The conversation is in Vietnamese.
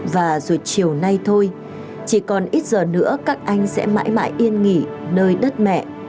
và rồi chiều nay thôi chỉ còn ít giờ nữa các anh sẽ mãi mãi yên nghỉ nơi đất mẹ